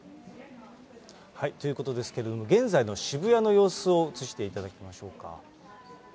ということですけれども、現在の渋谷の様子を映していただきましょうか。